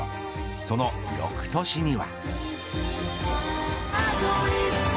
その翌年には。